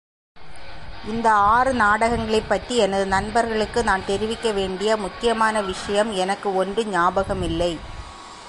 இந்த ஆறு நாடகங்களைப் பற்றி எனது நண்பர்களுக்கு நான் தெரிவிக்க வேண்டிய முக்கியமான விஷயம் எனக்கு ஒன்றும் ஞாபகமில்லை.